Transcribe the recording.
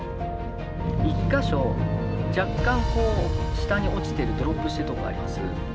１か所、若干、こう、下に落ちてるドロップしてるところがあります。